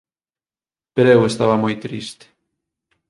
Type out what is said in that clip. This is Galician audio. pero eu estaba moi triste.